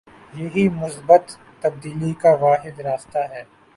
یہی مثبت تبدیلی کا واحد راستہ ہے۔